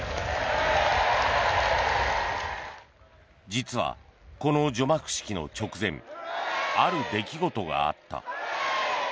実は、この除幕式の直前ある出来事があった。